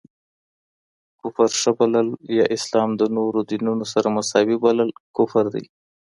کفر ښه بلل، يا اسلام د نورو دينونو سره مساوي بلل کفر دی.